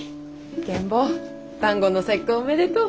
ケン坊端午の節句おめでとう。